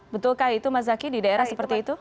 betulkah itu mas zaky di daerah seperti itu